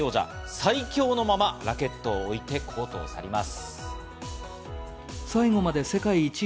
最強のままラケットを置いてコートを去ります。